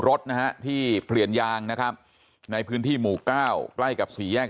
รถนะฮะที่เปลี่ยนยางนะครับในพื้นที่หมู่เก้าใกล้กับสี่แยก